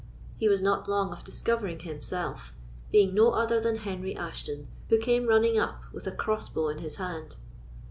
He was not long of discovering himself, being no other than Henry Ashton, who came running up with a crossbow in his hand.